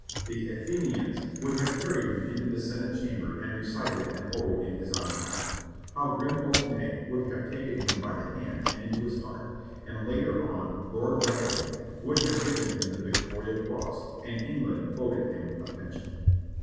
The Athenians would have carried him into the senate chamber and recited an ode in his honor. How grim old Ney would have taken him by the hand and into his heart, and later on Lord Raglan would have given him the Victoria cross, and England voted him a pension.